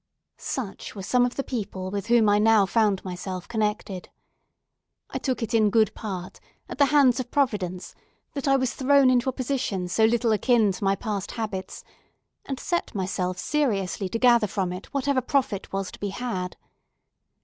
Such were some of the people with whom I now found myself connected. I took it in good part, at the hands of Providence, that I was thrown into a position so little akin to my past habits; and set myself seriously to gather from it whatever profit was to be had.